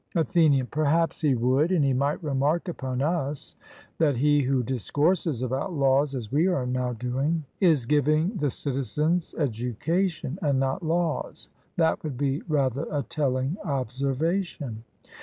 ATHENIAN: Perhaps he would; and he might remark upon us, that he who discourses about laws, as we are now doing, is giving the citizens education and not laws; that would be rather a telling observation.